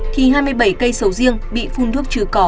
khi hai mươi bảy cây sầu riêng bị phun thuốc trừ cỏ